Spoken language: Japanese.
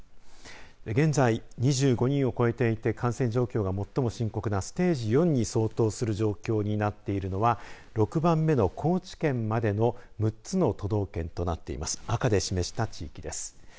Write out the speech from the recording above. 現在２５人を超えていて感染状況が最も深刻なステージ４に相当する状況になっているのは６番目の高知県までの６つの都